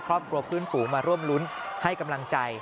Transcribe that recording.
ครอบครัวพื้นฝูงมาร่วมรุ้นให้กำลังใจ